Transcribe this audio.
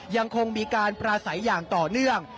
ยังคงมีการปราศัยอย่างต่อเนื่อง